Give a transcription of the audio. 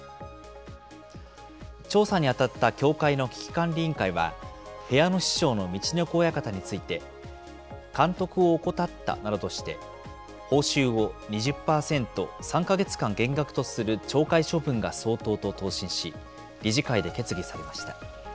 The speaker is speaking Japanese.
調査に当たった協会の危機管理委員会は、部屋の師匠の陸奥親方について、監督を怠ったなどとして、報酬を２０％３か月間減額とする懲戒処分が相当と答申し、理事会で決議されました。